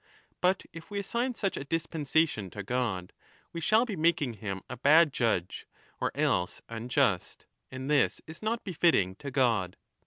But if we assign such a dispensation to 10 God, we shall be making him a bad judge or else unjust. And this is not befitting to God.